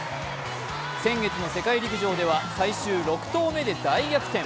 先月の世界陸上では最終６投目で大逆転。